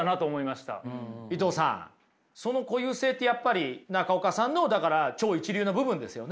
伊藤さんその固有性ってやっぱり中岡さんのだから超一流な部分ですよね。